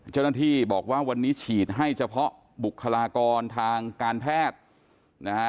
เจ้าหน้าที่บอกว่าวันนี้ฉีดให้เฉพาะบุคลากรทางการแพทย์นะฮะ